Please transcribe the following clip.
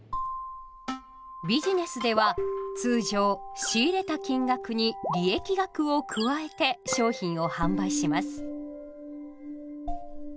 ビジネスでは通常「仕入れた金額」に「利益額」を加えて「商品」を販売します。